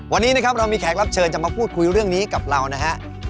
วันนี้นะครับเรามีแขกรับเชิญคุยเรื่องนี้เล่นอยู่กับเราครับ